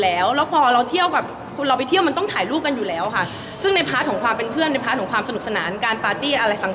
แล้ววันที่เราไปถ่ายกันคือเราไปเที่ยวประเทศดูไบ